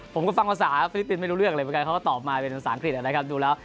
ผมก็ฟังภาษาฟิลิปปินสไม่รู้เรื่องเลยเหมือนกันเขาก็ตอบมาเป็นภาษาอังกฤษนะครับดูแล้ว